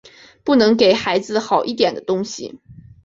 不能给孩子好一点的东西